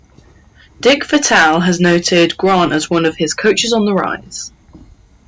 Dick Vitale has noted Grant as one of his "Coaches on the Rise".